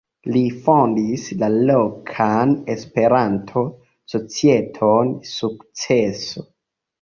Li fondis la lokan Esperanto-societon "Sukceso".